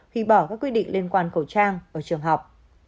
khi bỏ các quy định liên quan khẩu trang ở trường học